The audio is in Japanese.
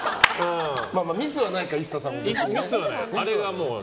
ミスはないか、ＩＳＳＡさんも。